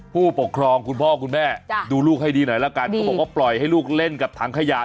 ผู้ปกครองคุณพ่อคุณแม่ดูลูกให้ดีหน่อยละกันเขาบอกว่าปล่อยให้ลูกเล่นกับถังขยะ